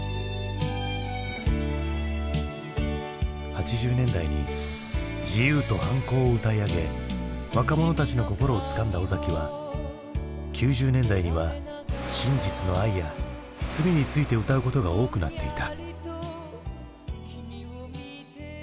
８０年代に自由と反抗を歌い上げ若者たちの心をつかんだ尾崎は９０年代には真実の愛や罪について歌うことが多くなっていた。